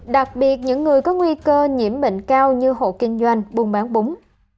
đặc biệt những người có nguy cơ nhiễm bệnh cao như hộ kinh doanh buôn bán búng